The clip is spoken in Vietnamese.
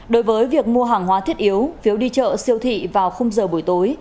đối với việc mua hàng hóa thiết yếu phiếu đi chợ siêu thị vào h buổi tối